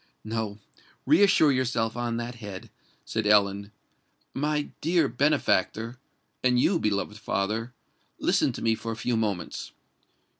"No—reassure yourself on that head," said Ellen. "My dear benefactor—and you, beloved father—listen to me for a few moments.